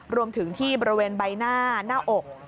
รวมถึงที่บริเวณใบหน้าหน้าอก